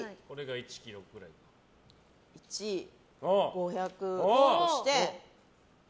５００として。